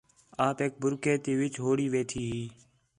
آپیک بُرکھے تی وِچ ہویڑی ویٹھی ہی